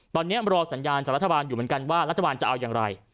ตอนนี้รอสัญญาณจากรัฐบาลอยู่เหมือนกันว่ารัฐบาลจะเอาอย่างไร